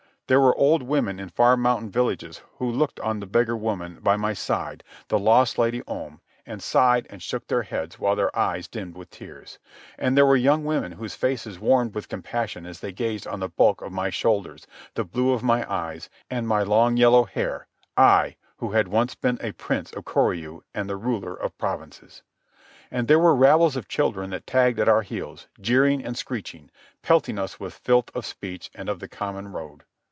There were old women in far mountain villages who looked on the beggar woman by my side, the lost Lady Om, and sighed and shook their heads while their eyes dimmed with tears. And there were young women whose faces warmed with compassion as they gazed on the bulk of my shoulders, the blue of my eyes, and my long yellow hair—I who had once been a prince of Koryu and the ruler of provinces. And there were rabbles of children that tagged at our heels, jeering and screeching, pelting us with filth of speech and of the common road.